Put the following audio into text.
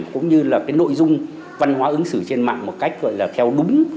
cũng như là cái nội dung văn hóa ứng xử trên mạng một cách gọi là theo đúng